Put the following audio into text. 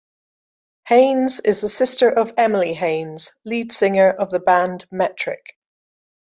Haines is the sister of Emily Haines, lead singer of the band Metric.